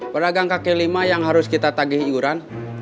peragang kakek lima yang harus kita tagih higuran